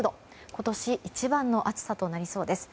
今年一番の暑さとなりそうです。